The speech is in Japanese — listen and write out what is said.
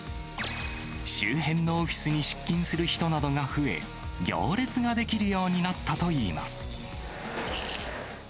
周辺のオフィスに出勤する人などが増え、行列が出来るようになったといいます。